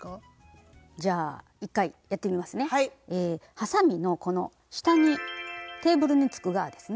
はさみのこの下にテーブルにつく側ですね